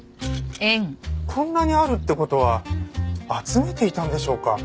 こんなにあるって事は集めていたんでしょうか？